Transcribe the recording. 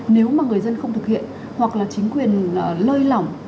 nếu mà người dân không thực hiện hoặc là chính quyền lơi lỏng